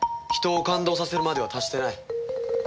人を感動させるまでは達してない。